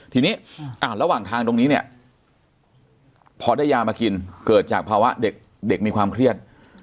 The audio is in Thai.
ทีนี้ระหว่างทางตรงนี้เนี่ยพอได้ยามากินเกิดจากภาวะเด็กมีความเครียด